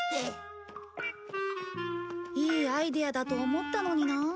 いいアイデアだと思ったのになあ。